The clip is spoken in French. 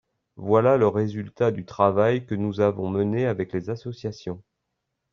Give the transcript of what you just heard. Voilà le résultat du travail que nous avons mené avec les associations.